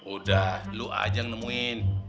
udah lo aja yang nemuin